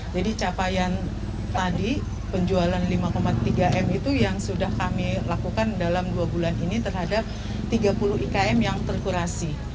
jadi capaian tadi penjualan lima tiga m itu yang sudah kami lakukan dalam dua bulan ini terhadap tiga puluh ikm yang terkurasi